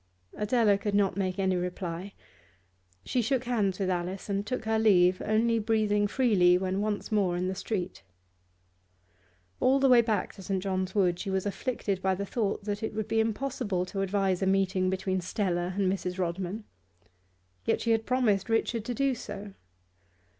Adela could not make any reply; she shook hands with Alice and took her leave, only breathing freely when once more in the street. All the way back to St. John's Wood she was afflicted by the thought that it would be impossible to advise a meeting between Stella and Mrs. Rodman. Yet she had promised Richard to do so.